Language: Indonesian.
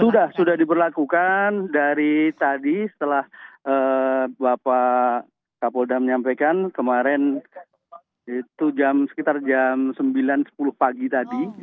sudah sudah diberlakukan dari tadi setelah bapak kapolda menyampaikan kemarin itu jam sekitar jam sembilan sepuluh pagi tadi